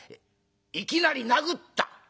いきなり殴った？